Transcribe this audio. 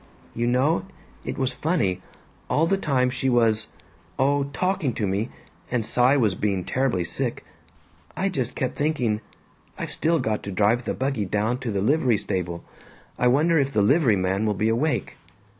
... "You know, it was funny; all the time she was oh, talking to me and Cy was being terribly sick I just kept thinking, 'I've still got to drive the buggy down to the livery stable. I wonder if the livery man will be awake?'